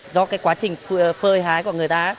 do quá trình phơi hái của người ta